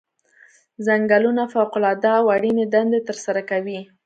ځنګلونه فوق العاده او اړینې دندې ترسره کوي.